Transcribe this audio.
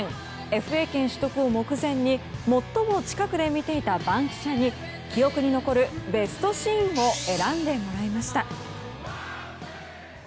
ＦＡ権取得を目前に最も近くで見ていた番記者に記憶に残るベストシーンを選んでもらいました。